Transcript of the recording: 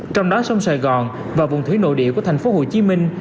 trong đó sông sài gòn và vùng thủy nội địa của thành phố hồ chí minh